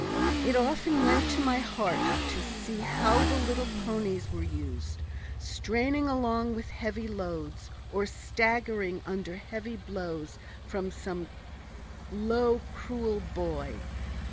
It often went to my heart to see how the little ponies were used, straining along with heavy loads or staggering under heavy blows from some low, cruel boy.